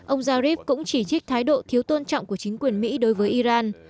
ông zarif cũng chỉ trích thái độ thiếu tôn trọng của chính quyền mỹ đối với iran